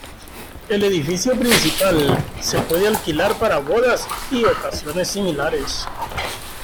El edificio principal se puede alquilar para bodas y ocasiones similares.